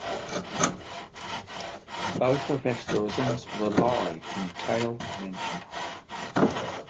Both of asterisms were lied in "Tail" mansion.